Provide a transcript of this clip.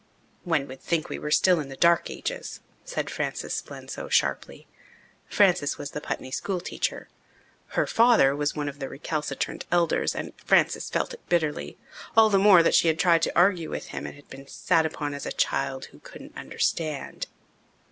"One would think we were still in the dark ages," said Frances Spenslow sharply. Frances was the Putney schoolteacher. Her father was one of the recalcitrant elders and Frances felt it bitterly all the more that she had tried to argue with him and had been sat upon as a "child who couldn't understand."